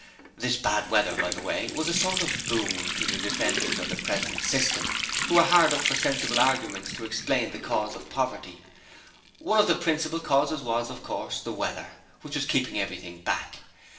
This bad weather, by the way, was a sort of boon to the defenders of the present system, who were hard up for sensible arguments to explain the cause of poverty. One of the principal causes was, of course, the weather, which was keeping everything back.